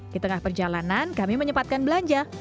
di tengah perjalanan kami menyepatkan belanja